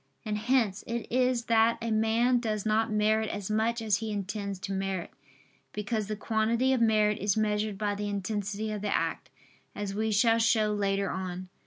And hence it is that a man does not merit as much as he intends to merit: because the quantity of merit is measured by the intensity of the act, as we shall show later on (Q.